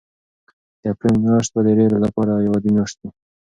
د اپریل میاشت به د ډېرو لپاره یوه عادي میاشت وي.